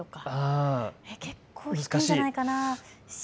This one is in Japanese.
結構低いんじゃないかな。